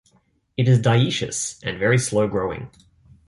It is dioecious and very slow-growing.